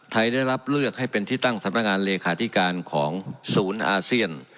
ได้รับเลือกให้เป็นที่ตั้งสำนักงานเลขาธิการของศูนย์อาเซียน